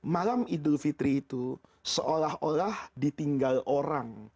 malam idul fitri itu seolah olah ditinggal orang